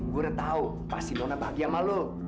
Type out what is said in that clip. gue udah tahu pasti nona bahagia sama lu